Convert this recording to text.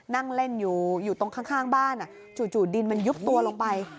นั่งเล่นอยู่ตรงข้างบ้านจู่ดินมันยุบตัวลงไป